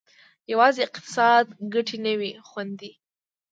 یوازې اقتصادي ګټې نه وې خوندي.